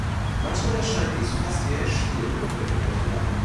Manchmal erscheint dies fast wie ein Spiel oder wie Heuchelei.